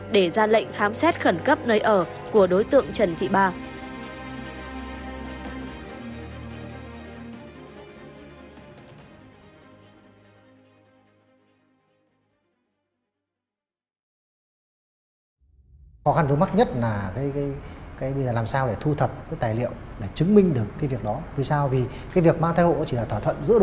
để ra lệnh khám xét khẩn cấp nơi ở